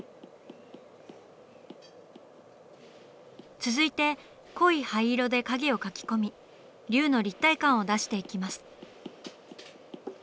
続いて濃い灰色で影を描き込み龍の立体感を出していきます。